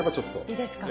いいですか？